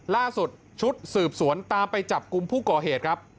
ล่าสุดชุดสืบสวนตามไปจับกลุ่มผู้ก่อเหตุครับ